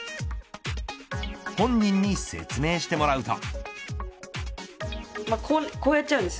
本人に説明してもらうと。